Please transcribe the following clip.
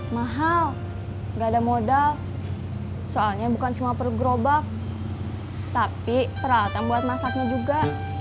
mahal gak ada modal soalnya bukan cuma per gerobak tapi peralatan buat masaknya juga